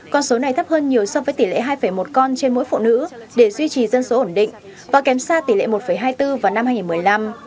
con số này thấp hơn nhiều so với tỷ lệ hai một con trên mỗi phụ nữ để duy trì dân số ổn định và kém xa tỷ lệ một hai mươi bốn vào năm hai nghìn một mươi năm